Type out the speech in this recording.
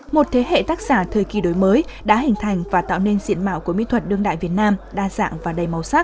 một thế hệ tác giả thời kỳ đổi mới đã hình thành và tạo nên diện mạo của mỹ thuật đương đại việt nam đa dạng và đầy màu sắc